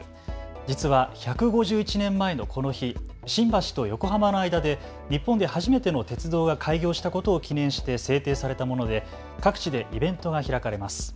実は１５１年前のこの日、新橋と横浜の間で日本で初めての鉄道が開業したことを記念して制定されたもので各地でイベントが開かれます。